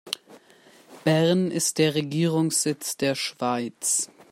Bern ist der Regierungssitz der Schweiz.